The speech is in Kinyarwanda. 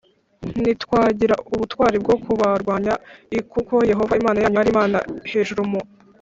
ntitwagira ubutwari bwo kubarwanya l kuko Yehova Imana yanyu ari Imana hejuru mu